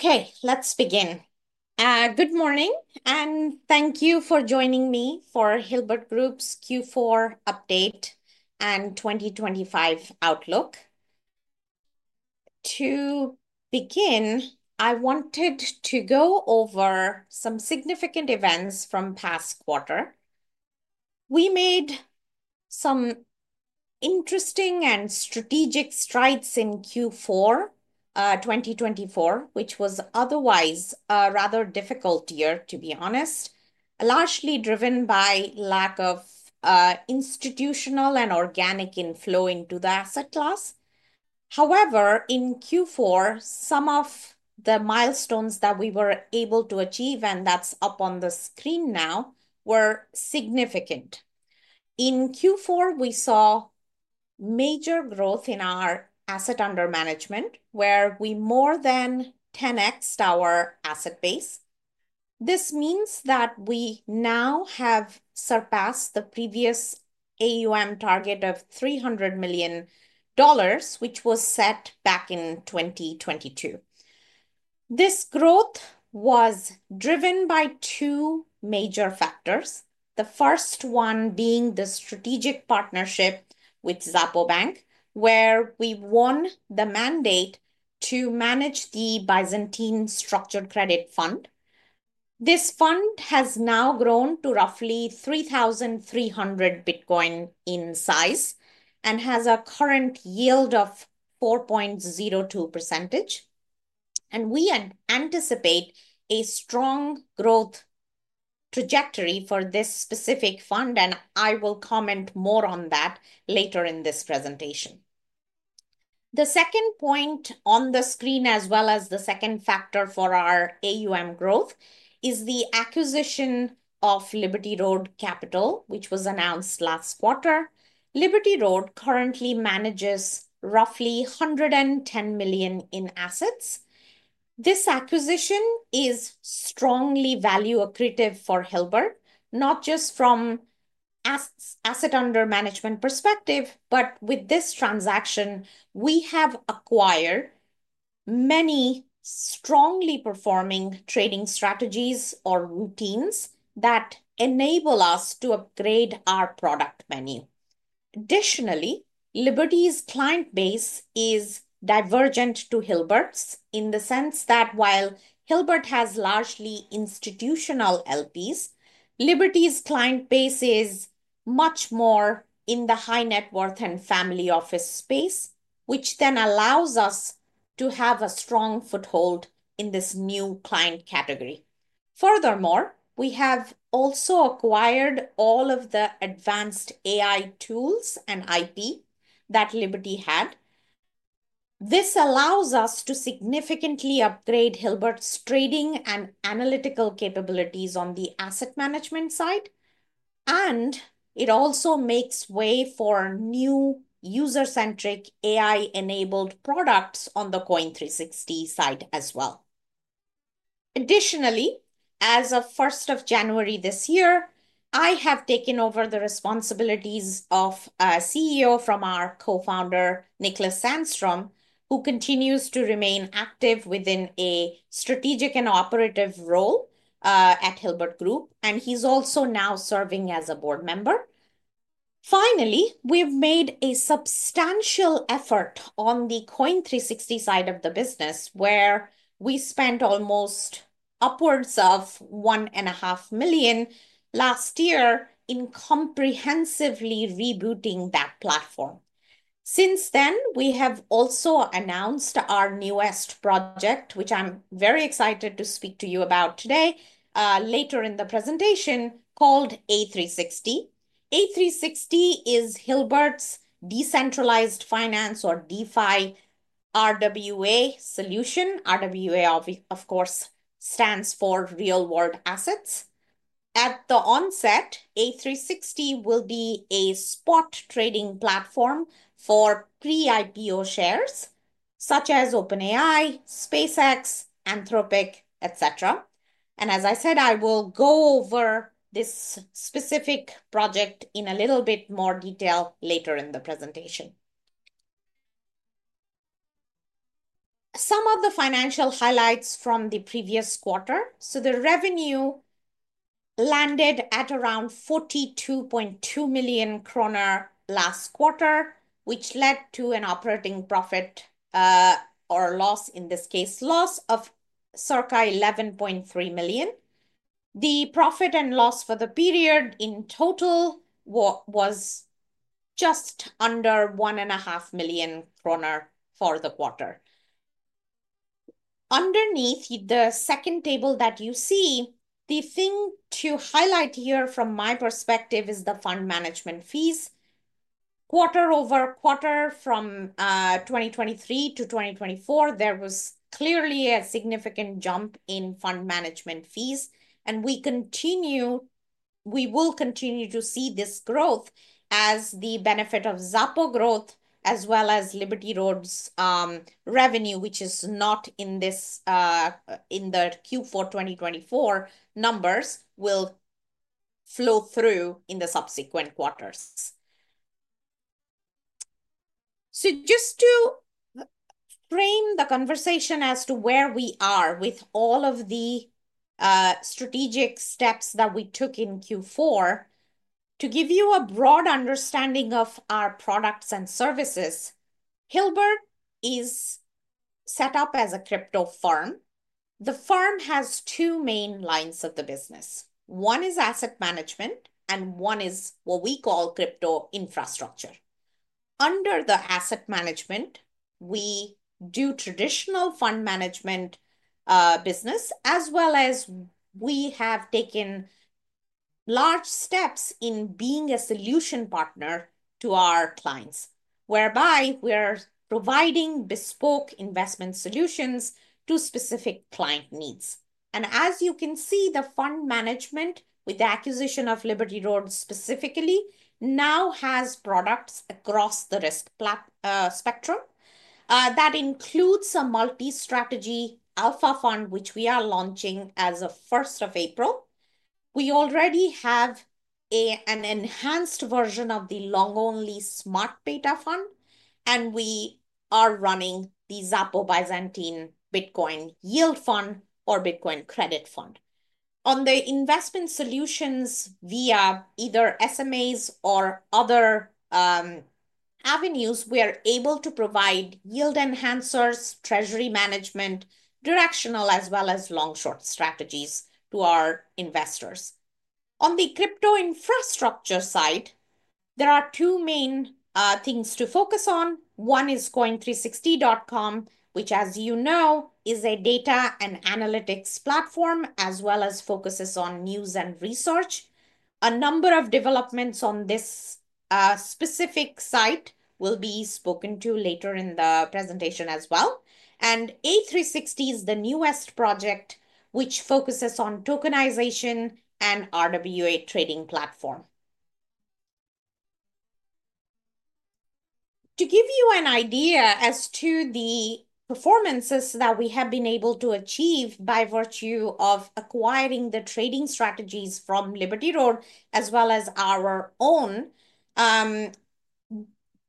Okay, let's begin. Good morning, and thank you for joining me for Hilbert Group's Q4 update and 2025 outlook. To begin, I wanted to go over some significant events from past quarter. We made some interesting and strategic strides in Q4 2024, which was otherwise a rather difficult year, to be honest, largely driven by lack of institutional and organic inflow into the asset class. However, in Q4, some of the milestones that we were able to achieve, and that's up on the screen now, were significant. In Q4, we saw major growth in our assets under management, where we more than 10xed our asset base. This means that we now have surpassed the previous AUM target of $300 million, which was set back in 2022. This growth was driven by two major factors, the first one being the strategic partnership with Xapo Bank, where we won the mandate to manage the Bitcoin Structured Credit Fund. This fund has now grown to roughly 3,300 Bitcoin in size and has a current yield of 4.02%. We anticipate a strong growth trajectory for this specific fund, and I will comment more on that later in this presentation. The second point on the screen, as well as the second factor for our AUM growth, is the acquisition of Liberty Road Capital, which was announced last quarter. Liberty Road currently manages roughly $110 million in assets. This acquisition is strongly value accretive for Hilbert, not just from asset under management perspective, but with this transaction, we have acquired many strongly performing trading strategies or routines that enable us to upgrade our product menu. Additionally, Liberty's client base is divergent to Hilbert's in the sense that while Hilbert has largely institutional LPs, Liberty's client base is much more in the high net worth and family office space, which then allows us to have a strong foothold in this new client category. Furthermore, we have also acquired all of the advanced AI tools and IP that Liberty had. This allows us to significantly upgrade Hilbert's trading and analytical capabilities on the asset management side, and it also makes way for new user-centric AI-enabled products on the Coin360 side as well. Additionally, as of 1st of January this year, I have taken over the responsibilities of CEO from our co-founder, Niclas Sandström, who continues to remain active within a strategic and operative role at Hilbert Group, and he's also now serving as a board member. Finally, we've made a substantial effort on the Coin360 side of the business, where we spent almost upwards of $1,500,000 last year in comprehensively rebooting that platform. Since then, we have also announced our newest project, which I'm very excited to speak to you about today later in the presentation, called A360. A360 is Hilbert's decentralized finance or DeFi RWA solution. RWA, of course, stands for real-world assets. At the onset, A360 will be a spot trading platform for pre-IPO shares such as OpenAI, SpaceX, Anthropic, etc. As I said, I will go over this specific project in a little bit more detail later in the presentation. Some of the financial highlights from the previous quarter. The revenue landed at around 42.2 million kronor last quarter, which led to an operating profit or loss, in this case, loss of circa 11.3 million. The profit and loss for the period in total was just under 1.5 million kronor for the quarter. Underneath the second table that you see, the thing to highlight here from my perspective is the fund management fees. Quarter over quarter from 2023 to 2024, there was clearly a significant jump in fund management fees, and we will continue to see this growth as the benefit of Xapo growth, as well as Liberty Road Capital's revenue, which is not in the Q4 2024 numbers, will flow through in the subsequent quarters. Just to frame the conversation as to where we are with all of the strategic steps that we took in Q4, to give you a broad understanding of our products and services, Hilbert Group is set up as a crypto firm. The firm has two main lines of the business. One is asset management, and one is what we call crypto infrastructure. Under the asset management, we do traditional fund management business, as well as we have taken large steps in being a solution partner to our clients, whereby we're providing bespoke investment solutions to specific client needs. As you can see, the fund management with the acquisition of Liberty Road Capital specifically now has products across the risk spectrum. That includes a multi-strategy alpha fund, which we are launching as of 1st of April. We already have an enhanced version of the long-only smart beta fund, and we are running the Byzantine Structured Credit Fund or Bitcoin Credit Fund. On the investment solutions, via either SMAs or other avenues, we are able to provide yield enhancers, treasury management, directional, as well as long-short strategies to our investors. On the crypto infrastructure side, there are two main things to focus on. One is Coin360.com, which, as you know, is a data and analytics platform, as well as focuses on news and research. A number of developments on this specific site will be spoken to later in the presentation as well. A360 is the newest project, which focuses on tokenization and RWA trading platform. To give you an idea as to the performances that we have been able to achieve by virtue of acquiring the trading strategies from Liberty Road, as well as our own,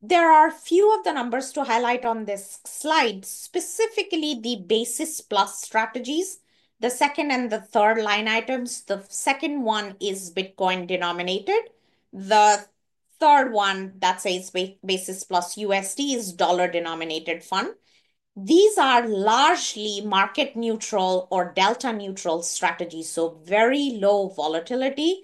there are a few of the numbers to highlight on this slide, specifically the Basis Plus strategies, the second and the third line items. The second one is Bitcoin denominated. The third one that says Basis Plus USD is dollar denominated fund. These are largely market neutral or delta neutral strategies, so very low volatility.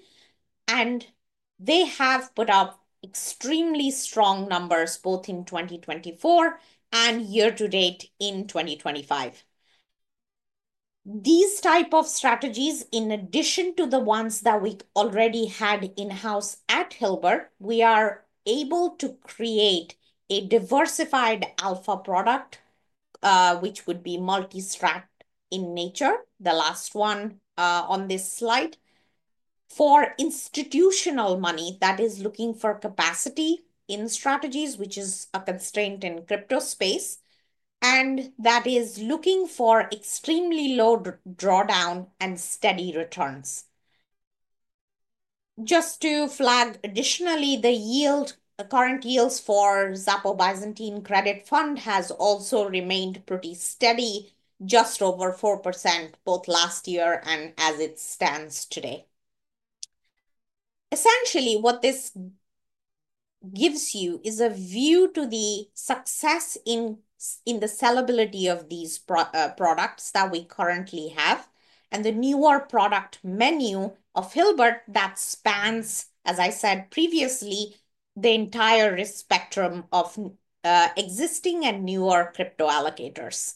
They have put up extremely strong numbers both in 2024 and year to date in 2025. These type of strategies, in addition to the ones that we already had in-house at Hilbert, we are able to create a diversified alpha product, which would be multi-strat in nature, the last one on this slide, for institutional money that is looking for capacity in strategies, which is a constraint in crypto space, and that is looking for extremely low drawdown and steady returns. Just to flag additionally, the current yields for Byzantine Structured Credit Fund have also remained pretty steady, just over 4%, both last year and as it stands today. Essentially, what this gives you is a view to the success in the sellability of these products that we currently have and the newer product menu of Hilbert that spans, as I said previously, the entire risk spectrum of existing and newer crypto allocators.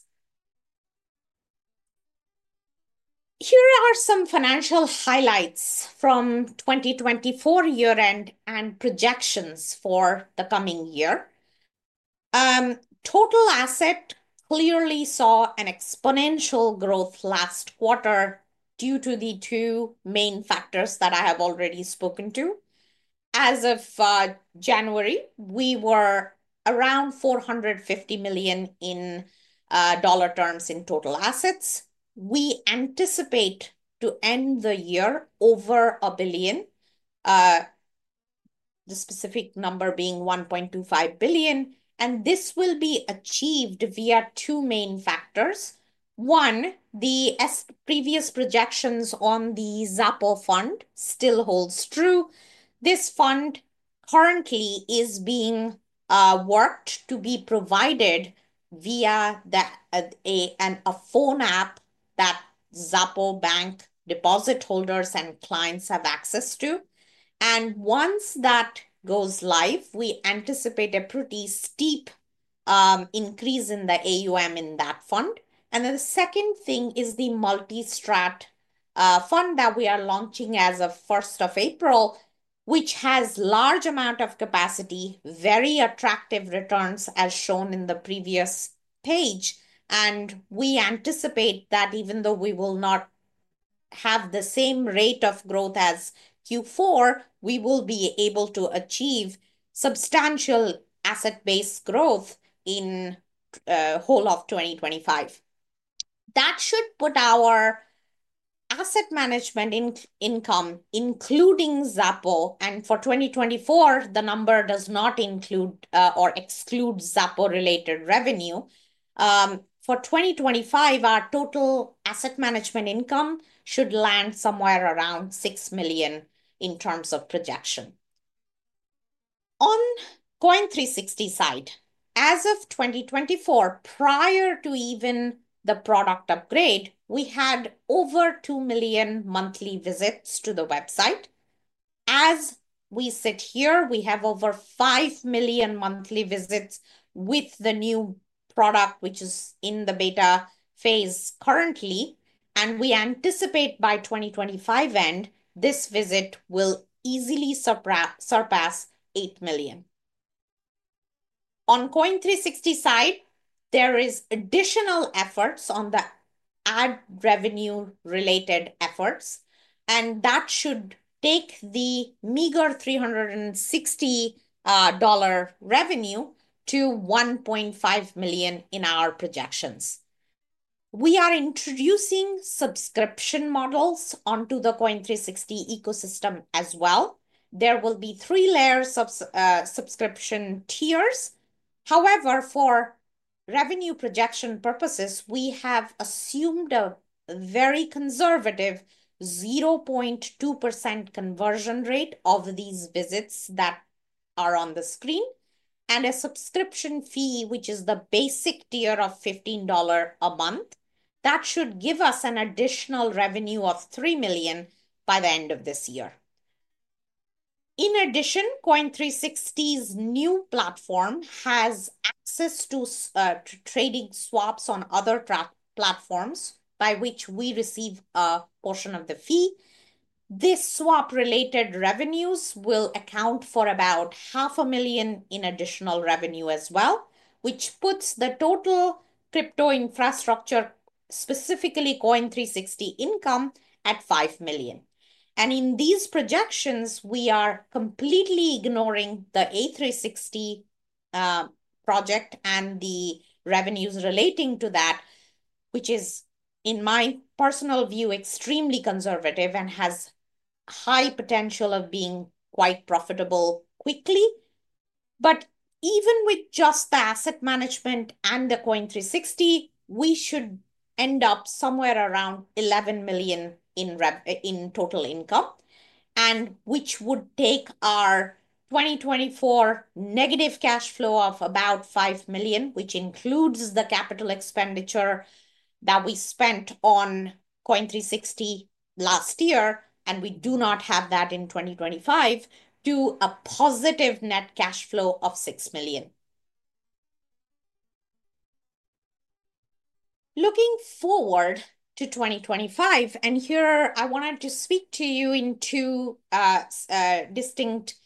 Here are some financial highlights from 2024 year-end and projections for the coming year. Total asset clearly saw an exponential growth last quarter due to the two main factors that I have already spoken to. As of January, we were around $450 million in dollar terms in total assets. We anticipate to end the year over $1 billion, the specific number being $1.25 billion. This will be achieved via two main factors. One, the previous projections on the Xapo fund still hold true. This fund currently is being worked to be provided via a phone app that Xapo Bank deposit holders and clients have access to. Once that goes live, we anticipate a pretty steep increase in the AUM in that fund. The second thing is the multi-strat fund that we are launching as of 1st of April, which has a large amount of capacity, very attractive returns as shown in the previous page. We anticipate that even though we will not have the same rate of growth as Q4, we will be able to achieve substantial asset-based growth in the whole of 2025. That should put our asset management income, including Xapo, and for 2024, the number does not include or exclude Xapo-related revenue. For 2025, our total asset management income should land somewhere around $6 million in terms of projection. On Coin360 side, as of 2024, prior to even the product upgrade, we had over 2 million monthly visits to the website. As we sit here, we have over 5 million monthly visits with the new product, which is in the beta phase currently. We anticipate by 2025 end, this visit will easily surpass 8 million. On Coin360 side, there are additional efforts on the ad revenue-related efforts, and that should take the meager $360 revenue to $1.5 million in our projections. We are introducing subscription models onto the Coin360 ecosystem as well. There will be three layers of subscription tiers. However, for revenue projection purposes, we have assumed a very conservative 0.2% conversion rate of these visits that are on the screen and a subscription fee, which is the basic tier of $15 a month. That should give us an additional revenue of $3 million by the end of this year. In addition, Coin360's new platform has access to trading swaps on other platforms by which we receive a portion of the fee. This swap-related revenues will account for about $500,000 in additional revenue as well, which puts the total crypto infrastructure, specifically Coin360 income, at $5 million. In these projections, we are completely ignoring the A360 project and the revenues relating to that, which is, in my personal view, extremely conservative and has high potential of being quite profitable quickly. Even with just the asset management and the Coin360, we should end up somewhere around $11 million in total income, which would take our 2024 negative cash flow of about $5 million, which includes the capital expenditure that we spent on Coin360 last year, and we do not have that in 2025, to a positive net cash flow of $6 million. Looking forward to 2025, and here I wanted to speak to you in two distinct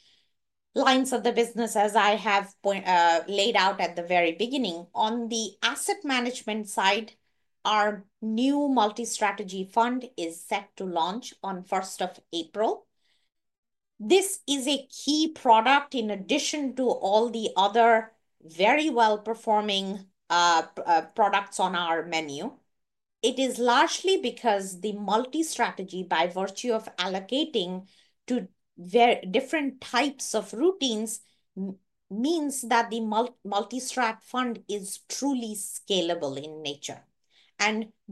lines of the business, as I have laid out at the very beginning. On the asset management side, our new multi-strategy fund is set to launch on 1st of April. This is a key product in addition to all the other very well-performing products on our menu. It is largely because the multi-strategy, by virtue of allocating to different types of routines, means that the multi-strat fund is truly scalable in nature.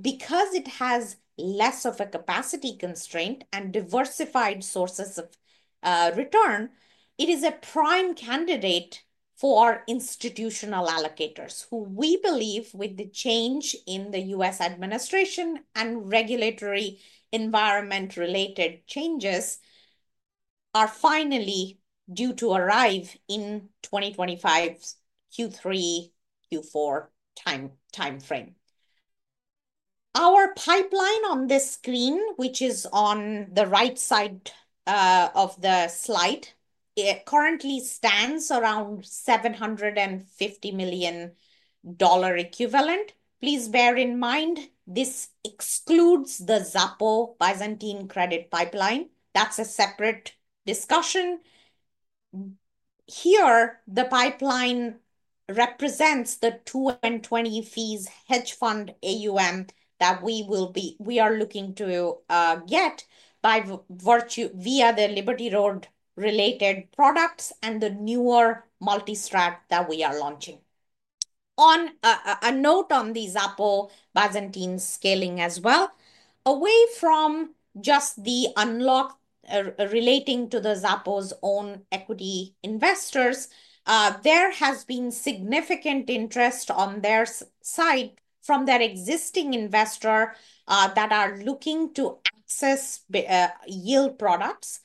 Because it has less of a capacity constraint and diversified sources of return, it is a prime candidate for institutional allocators, who we believe, with the change in the U.S. administration and regulatory environment-related changes, are finally due to arrive in 2025 Q3, Q4 timeframe. Our pipeline on this screen, which is on the right side of the slide, currently stands around $750 million equivalent. Please bear in mind this excludes the Xapo Byzantine Credit pipeline. That is a separate discussion. Here, the pipeline represents the 2/20 fees hedge fund AUM that we are looking to get by virtue of the Liberty Road-related products and the newer multi-strat that we are launching. On a note on the Xapo Byzantine scaling as well, away from just the unlock relating to the Xapo's own equity investors, there has been significant interest on their side from their existing investors that are looking to access yield products.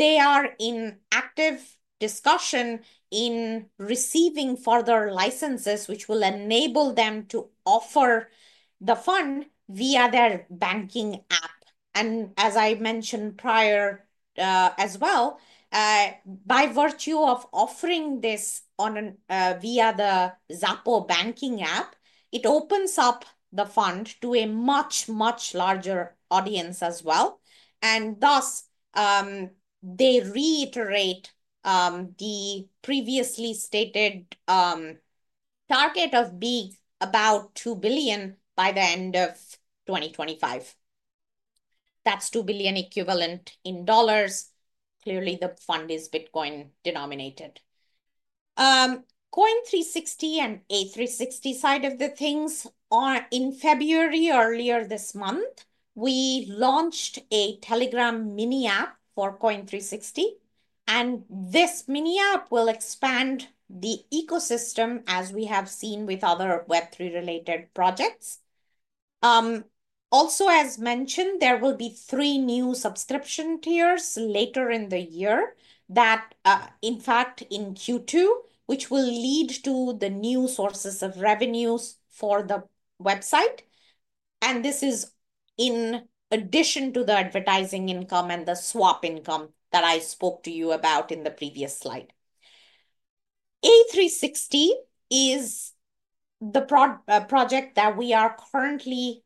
They are in active discussion in receiving further licenses, which will enable them to offer the fund via their banking app. As I mentioned prior as well, by virtue of offering this via the Xapo banking app, it opens up the fund to a much, much larger audience as well. Thus, they reiterate the previously stated target of being about $2 billion by the end of 2025. That is $2 billion equivalent in dollars. Clearly, the fund is Bitcoin denominated. Coin360 and A360 side of the things are in February. Earlier this month, we launched a Telegram mini app for Coin360. This mini app will expand the ecosystem, as we have seen with other Web3-related projects. Also, as mentioned, there will be three new subscription tiers later in the year, in fact, in Q2, which will lead to new sources of revenues for the website. This is in addition to the advertising income and the swap income that I spoke to you about in the previous slide. A360 is the project that we are currently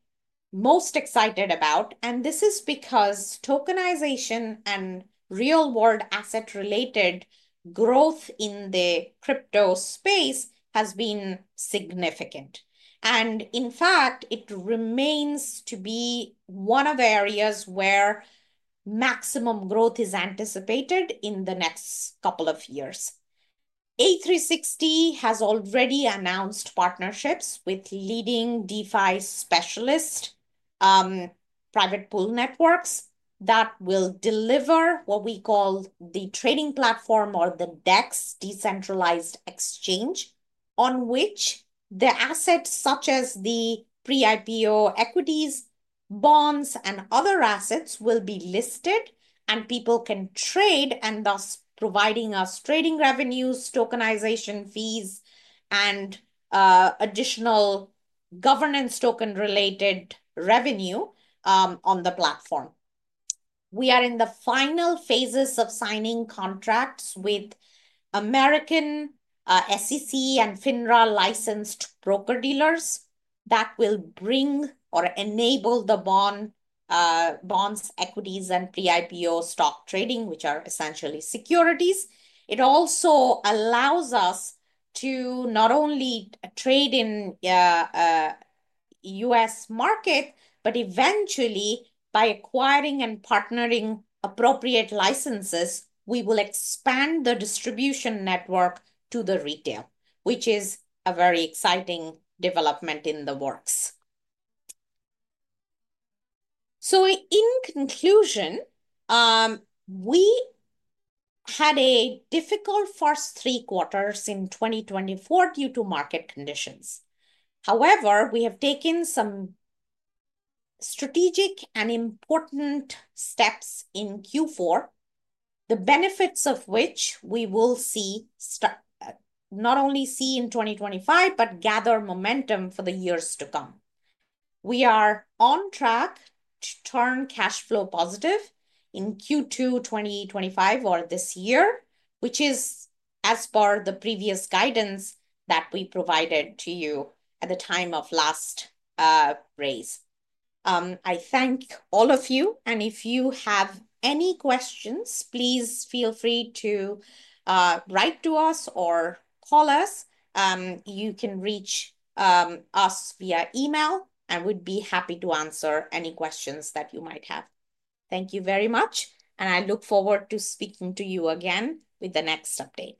most excited about. This is because tokenization and real-world asset-related growth in the crypto space has been significant. In fact, it remains to be one of the areas where maximum growth is anticipated in the next couple of years. A360 has already announced partnerships with leading DeFi specialists, private pool networks that will deliver what we call the trading platform or the DEX, decentralized exchange, on which the assets such as the pre-IPO equities, bonds, and other assets will be listed, and people can trade, and thus providing us trading revenues, tokenization fees, and additional governance token-related revenue on the platform. We are in the final phases of signing contracts with American SEC and FINRA-licensed broker-dealers that will bring or enable the bonds, equities, and pre-IPO stock trading, which are essentially securities. It also allows us to not only trade in the U.S. market, but eventually, by acquiring and partnering appropriate licenses, we will expand the distribution network to the retail, which is a very exciting development in the works. In conclusion, we had a difficult first three quarters in 2024 due to market conditions. However, we have taken some strategic and important steps in Q4, the benefits of which we will not only see in 2025, but gather momentum for the years to come. We are on track to turn cash flow positive in Q2 2025 or this year, which is, as per the previous guidance that we provided to you at the time of last raise. I thank all of you. If you have any questions, please feel free to write to us or call us. You can reach us via email, and we'd be happy to answer any questions that you might have. Thank you very much, and I look forward to speaking to you again with the next update.